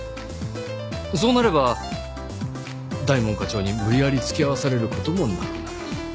そうなれば大門課長に無理やり付き合わされる事もなくなる。